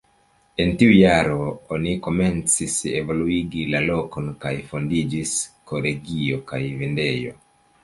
En tiu jaro oni komencis evoluigi la lokon, kaj fondiĝis kolegio kaj vendejo.